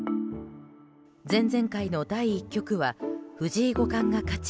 前々回の第１局は藤井五冠が勝ち